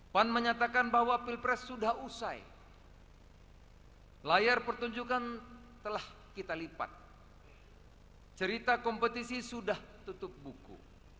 pan menyatakan bahwa pilpres sudah usai layar pertunjukan telah kita lipat cerita kompetisi sudah tutup buku